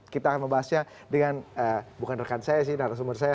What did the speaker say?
kita akan membahasnya dengan bukan rekan saya sih narasumber saya